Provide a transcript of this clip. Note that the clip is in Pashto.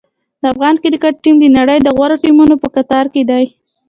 د افغان کرکټ ټیم د نړۍ د غوره ټیمونو په کتار کې دی.